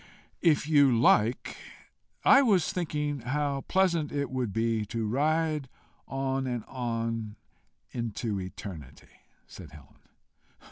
"If you like. I was thinking how pleasant it would be to ride on and on into eternity," said Helen.